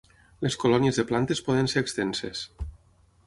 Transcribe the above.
Les colònies de plantes poden ser extenses.